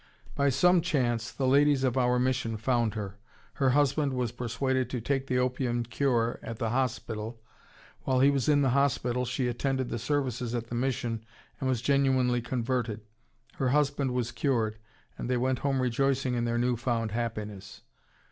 By some chance the ladies of our mission found her. Her husband was persuaded to take the opium cure at the hospital.... While he was in the hospital, she attended the services at the mission, and was genuinely converted. Her husband was cured, and they went home rejoicing in their new found happiness.